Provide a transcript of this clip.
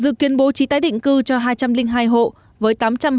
dự kiến bố trí tái định cư cho hai trăm linh hai hộ với tám trăm hai mươi ba